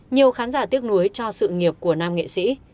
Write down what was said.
nhiều khán giả tiếc nuối cho sự nghiệp của nam nghệ sĩ